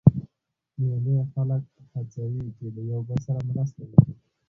مېلې خلک هڅوي، چي له یو بل سره مرسته وکي.